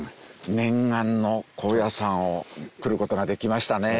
念願の高野山来る事ができましたね。